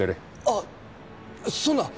あっそんな！